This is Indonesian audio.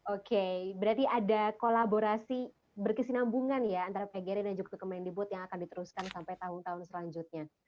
oke berarti ada kolaborasi berkesinambungan ya antara pak geri dan jokowi kemendibut yang akan diteruskan sampai tahun tahun selanjutnya